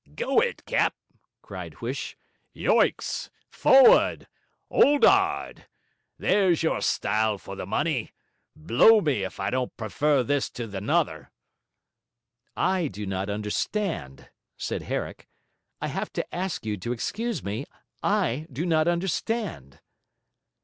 'Go it, cap!' cried Huish. 'Yoicks! Forrard! 'Old 'ard! There's your style for the money! Blow me if I don't prefer this to the hother.' 'I do not understand,' said Herrick. 'I have to ask you to excuse me; I do not understand.'